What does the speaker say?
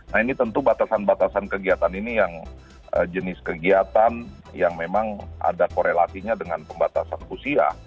nah ini tentu batasan batasan kegiatan ini yang jenis kegiatan yang memang ada korelasinya dengan pembatasan usia